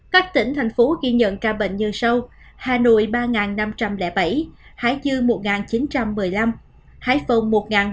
các tỉnh thành phố ghi nhận ca bệnh nhân sâu hà nội ba năm trăm linh bảy hải dư một chín trăm một mươi năm hải phòng một bốn trăm tám mươi chín